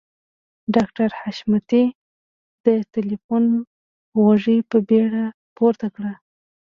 ډاکټر حشمتي د ټليفون غوږۍ په بیړه پورته کړه.